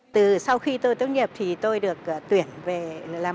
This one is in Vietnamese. từ sau khi tôi tốt nghiệp thì tôi được tuyển về làm